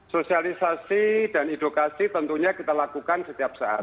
sosialisasi dan edukasi tentunya kita lakukan setiap saat